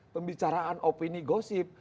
pembicaraan opini gosip